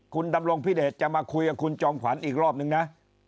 คุณดำรงพิเดชจะมาคุยกับคุณจอมขวัญอีกรอบนึงนะ